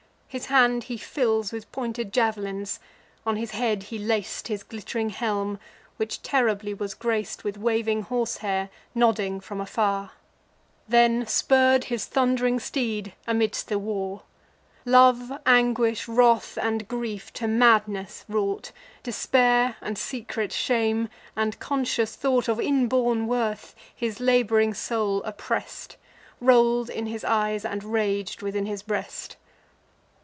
His hands he fills With pointed jav'lins; on his head he lac'd His glitt'ring helm, which terribly was grac'd With waving horsehair, nodding from afar; Then spurr'd his thund'ring steed amidst the war. Love, anguish, wrath, and grief, to madness wrought, Despair, and secret shame, and conscious thought Of inborn worth, his lab'ring soul oppress'd, Roll'd in his eyes, and rag'd within his breast.